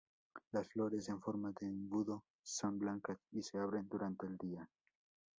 Las flores en forma de embudo, son blancas y se abren durante el día.